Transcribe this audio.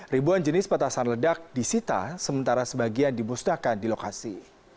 ribuan jenis petasan ledak disita sementara sebagian dimusnahkan di lokasi